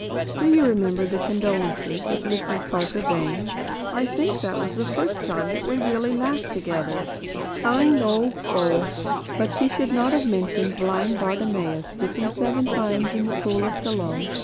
Do you remember the condolences of Mrs. Parker Bangs? I think that was the first time we really laughed together. Kind old soul! But she should not have mentioned blind Bartimaeus dipping seven times in the pool of Siloam.